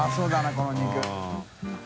この肉。